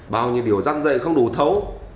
bao nhiêu điều dăn dậy không đủ thấu